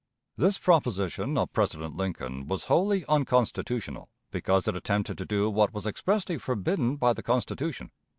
This proposition of President Lincoln was wholly unconstitutional, because it attempted to do what was expressly forbidden by the Constitution.